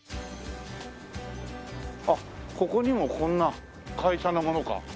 あっここにもこんな会社のものか。